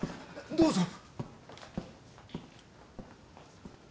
どうぞ。